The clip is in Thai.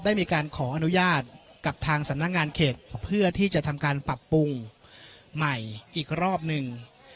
ได้มีการขออนุญาตกับทางสำนักงานเขตเพื่อที่จะทำการปรับปรุงใหม่อีกรอบหนึ่ง